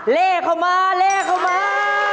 เล่เข้ามาเล่เข้ามา